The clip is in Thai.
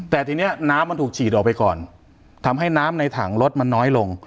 แต่ทีนี้น้ำมันถูกฉีดออกไปก่อนทำให้น้ำในถังรถมันน้อยลง